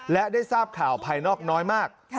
และได้ทราบข่าวภายนอกน้อยมาก